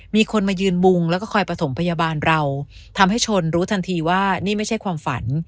มีคนมายืนมุงแล้วก็คอยประถมพยาบาลเราทำให้ชนรู้ทันทีว่านี่ไม่ใช่ความฝัน